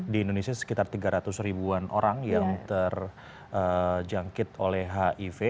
di indonesia sekitar tiga ratus ribuan orang yang terjangkit oleh hiv